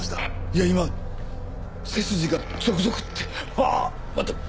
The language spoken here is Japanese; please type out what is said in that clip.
いや今背筋がゾクゾクってあぁまた。